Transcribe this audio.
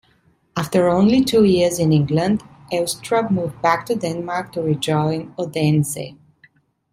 After only two years in England, Elstrup moved back to Denmark to rejoin Odense.